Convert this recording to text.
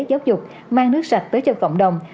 giáo dục mang nước sạch tới cho cộng đồng